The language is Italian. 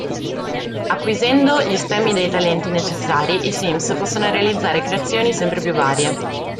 Acquisendo gli "stemmi dei Talenti" necessari, i sims possono realizzare creazioni sempre più varie.